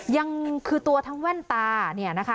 ยังคือตัวทั้งแว่นตาเนี่ยนะคะ